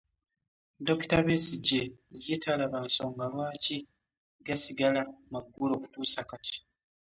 Dokita Besigye ye talaba nsonga lwaki gasigala maggale okutuusa kati.